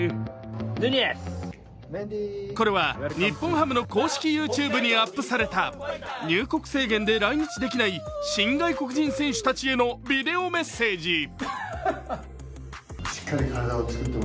これは、日本ハムの公式ＹｏｕＴｕｂｅにアップされた入国制限で来日できない新外国人選手たちへのビデオメッセージ。